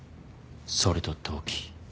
それと動機。